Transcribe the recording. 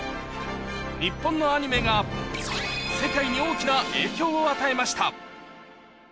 日本のアニメが世界に大きな影響を与えました。